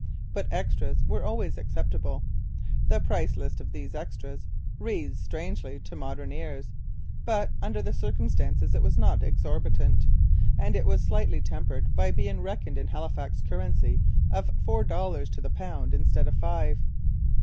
But 'extras' were always acceptable. The price list of these 'extras' reads strangely to modern ears. But, under the circumstances, it was not exorbitant, and it was slightly tempered by being reckoned in Halifax currency of four dollars to the pound instead of five.